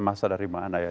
masa dari mana ya